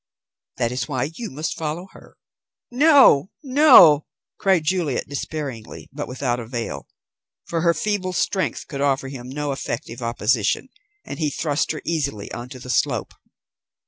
That is why you must follow her." "No, no!" cried Juliet despairingly, but without avail, for her feeble strength could offer him no effective opposition, and he thrust her easily on to the slope.